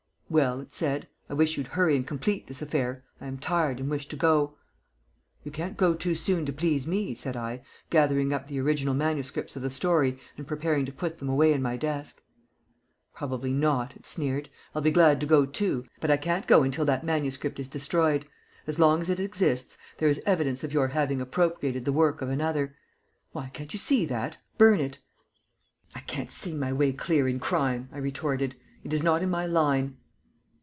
"Well," it said, "I wish you'd hurry and complete this affair. I am tired, and wish to go." "You can't go too soon to please me," said I, gathering up the original manuscripts of the story and preparing to put them away in my desk. "Probably not," it sneered. "I'll be glad to go too, but I can't go until that manuscript is destroyed. As long as it exists there is evidence of your having appropriated the work of another. Why, can't you see that? Burn it!" "I can't see my way clear in crime!" I retorted. "It is not in my line."